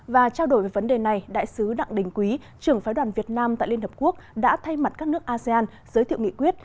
và trao đổi về vấn đề này đại sứ đặng đình quý trưởng phái đoàn việt nam tại liên hợp quốc đã thay mặt các nước asean giới thiệu nghị quyết